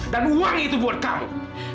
dan uang itu buat kamu